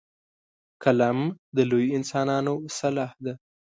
قلم د لویو انسانانو سلاح ده